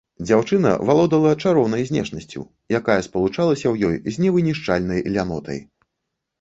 Дзяўчына валодала чароўнай знешнасцю, якая спалучалася ў ёй з невынішчальнай лянотай.